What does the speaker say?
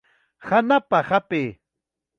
Hanapa hapay.